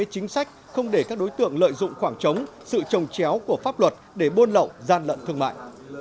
chính sách không để các đối tượng lợi dụng khoảng trống sự trồng chéo của pháp luật để buôn lậu gian lận thương mại